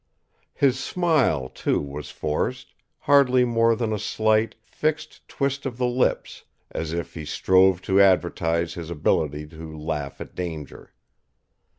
His smile, too, was forced, hardly more than a slight, fixed twist of the lips, as if he strove to advertise his ability to laugh at danger.